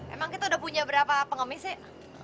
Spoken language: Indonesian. emang kita udah punya berapa pengemis sih